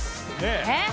えっ！？